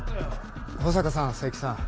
保坂さん佐伯さん